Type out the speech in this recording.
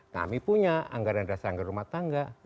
kami punya anggaran dasar anggaran rumah tangga